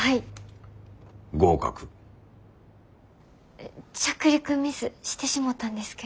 え着陸ミスしてしもたんですけど。